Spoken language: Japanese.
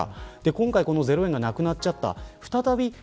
今回０円がなくなっちゃった。